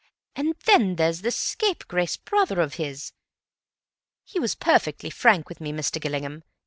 "And then there's this scapegrace brother of his. He was perfectly frank with me, Mr. Gillingham.